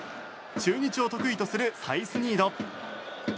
中日を得意とするサイスニード。